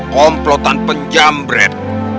komplotan penjam bret